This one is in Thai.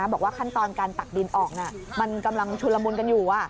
บอกว่าขั้นตอนการตักดินออกมันกำลังชุนละมุนกันอยู่